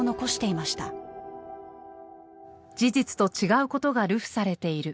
「事実と違うことが流布されている」